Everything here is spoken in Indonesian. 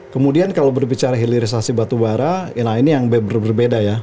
kemudian kalau berbicara hilirisasi batubara nah ini yang berbeda ya